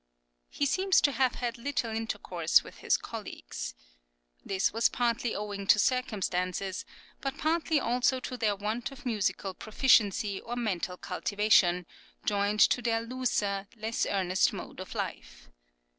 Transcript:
He seems to have had little intercourse with his colleagues. This was partly owing to circumstances, but partly also to their want of musical proficiency or mental cultivation, joined to their looser, less earnest mode of life.